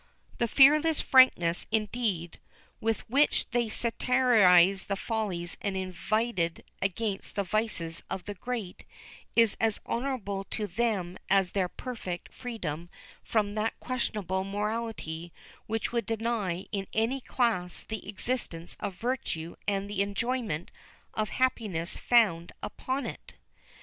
The fearless frankness, indeed, with which they satirized the follies and inveighed against the vices of the great, is as honourable to them as their perfect freedom from that questionable morality which would deny in any class the existence of virtue and the enjoyment of happiness founded upon it.